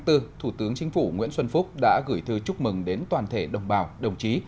thủ tướng chính phủ nguyễn xuân phúc đã gửi thư chúc mừng đến toàn thể đồng bào đồng chí